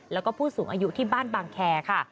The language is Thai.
แล้วก็ผู้สูงอายุที่บ้านบางแคร์ค่ะ